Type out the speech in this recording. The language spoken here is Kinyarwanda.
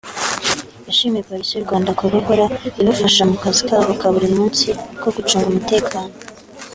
yashimiye Polisi y’u Rwanda kuba ihora ibafasha mu kazi kabo ka buri munsi ko gucunga umutekano